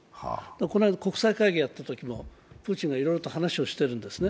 この間、国際会議をやったときもプーチンがいろいろと話をしてるんですね